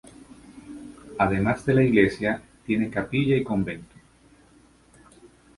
Además de la iglesia tiene capilla y convento.